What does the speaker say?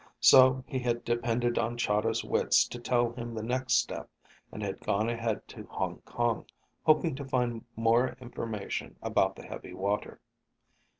So he had depended on Chahda's wits to tell him the next step and had gone ahead to Hong Kong, hoping to find more information about the heavy water.